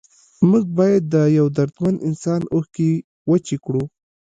موږ باید د یو دردمند انسان اوښکې وچې کړو.